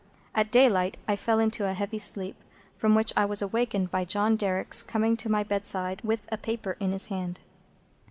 At daylight I fell into a heavy sleep, from which I was awakened by John Derrick's coming to my bedside with a paper in his hand.